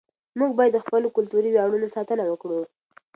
موږ باید د خپلو کلتوري ویاړونو ساتنه وکړو.